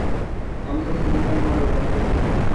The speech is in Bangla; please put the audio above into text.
আনন্দময়ী বিনয়ের মনের ভাবটা বুঝিলেন।